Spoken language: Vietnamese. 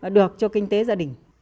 được cho kinh tế gia đình